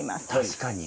確かに。